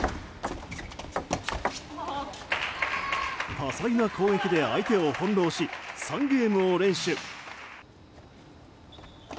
多彩な攻撃で相手を翻弄し３ゲームを連取。